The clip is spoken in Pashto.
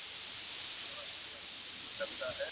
او بل په شلو کلونو کي یو زوړ انسان